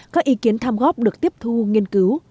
các ý kiến tham góp được tiếp thu nghiên cứu